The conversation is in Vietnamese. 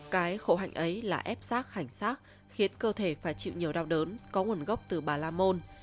cái khổ hạnh ấy là ép xác hành xác khiến cơ thể phải chịu nhiều đau đớn có nguồn gốc từ bà lamôn